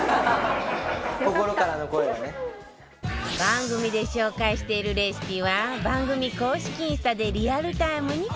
番組で紹介しているレシピは番組公式インスタでリアルタイムに更新中